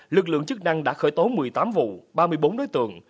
lực lượng chức năng đã khởi tố một mươi tám vụ ba mươi bốn đối tượng